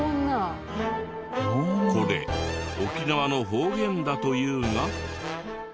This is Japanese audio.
これ沖縄の方言だというが。